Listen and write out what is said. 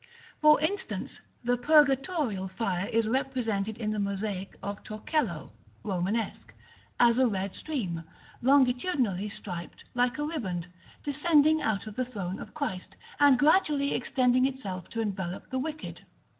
For instance, the purgatorial fire is represented in the mosaic of Torcello (Romanesque) as a red stream, longitudinally striped like a riband, descending out of the throne of Christ, and gradually extending itself to envelope the wicked.